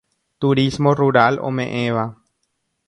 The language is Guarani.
Turismo rural ome'ẽva.